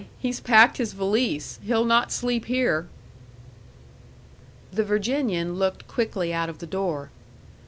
"He's packed his valise. He'll not sleep here." The Virginian looked quickly out of the door.